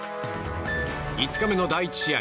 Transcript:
５日目の第１試合